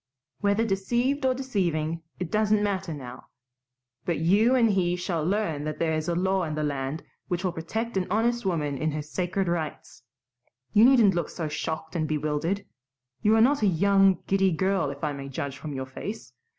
Whether deceived or deceiving, it doesn't matter now. But you and he shall learn that there is a law in the land which will protect an honest woman in her sacred rights. You needn't look so shocked and bewildered. You are not a young, giddy girl if I may judge from your face.